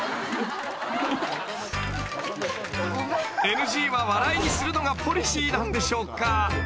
［ＮＧは笑いにするのがポリシーなんでしょうか？］